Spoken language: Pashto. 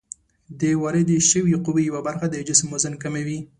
د واردې شوې قوې یوه برخه د جسم وزن کموي.